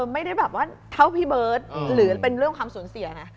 ไม่ได้แบบว่าเท่าพี่เบิร์ตหรือเป็นเรื่องความสูญเสียนะ